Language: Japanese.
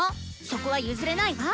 そこは譲れないわ。